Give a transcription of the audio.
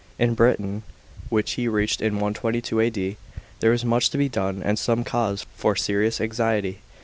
§ 13. In Britain, which he reached in 122 A.D., there was much to be done and some cause for serious anxiety.